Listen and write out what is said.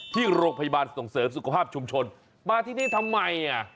ที่โรงพยาบาลส่งเสริมสุขภาพชุมชนมาที่นี่ทำไมอ่ะ